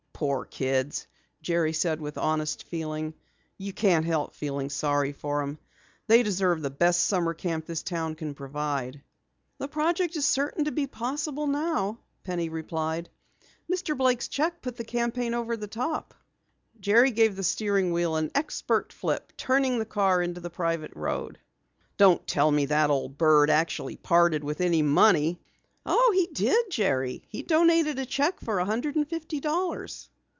"Poor kids," Jerry said with honest feeling, "you can't help feeling sorry for 'em. They deserve the best summer camp this town can provide." "The project is certain to be possible now," Penny replied. "Mr. Blake's cheque put the campaign over the top." Jerry gave the steering wheel an expert flip, turning the car into the private road. "Don't tell me that old bird actually parted with any money!" "Oh, he did, Jerry. He donated a cheque for a hundred and fifty dollars."